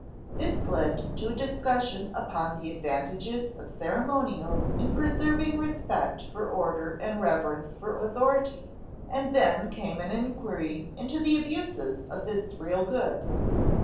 This led to a discussion upon the advantages of ceremonials in preserving respect for order and reverence for authority, and then came an inquiry into the abuses of this real good.